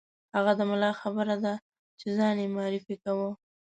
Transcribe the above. هغه د ملا خبره ده چې ځان یې معرفي کاوه.